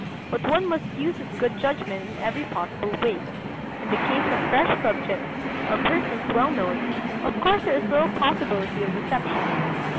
But one must use his good judgment in every possible way. In the case of fresh subjects, or persons well known, of course there is little possibility of deception.